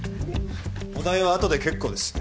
お代はあとで結構です。